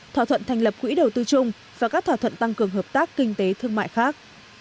thỏa thuận thành lập quỹ đầu tư chung và các thỏa thuận tăng cường hợp tác kinh tế thương mại khác